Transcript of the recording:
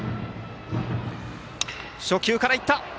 初球から行った！